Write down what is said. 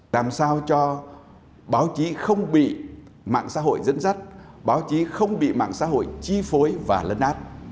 làm sao cho báo chí không bị mạng xã hội dẫn dắt báo chí không bị mạng xã hội chi phối và lấn át